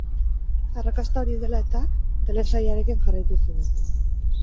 Arrakasta hori dela eta, telesailarekin jarraitu zuten.